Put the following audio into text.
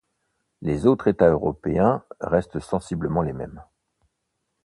Les autres états européens restent sensiblement les mêmes.